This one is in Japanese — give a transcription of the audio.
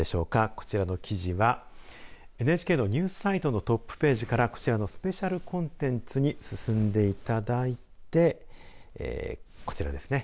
こちらの記事はＮＨＫのニュースサイトのトップページからこちらのスペシャルコンテンツに進んでいただいてこちらですね。